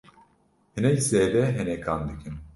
Hinek zêde henekan dikin.